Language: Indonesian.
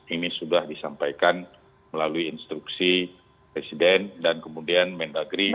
ini sudah disampaikan melalui instruksi presiden dan kemudian mendagri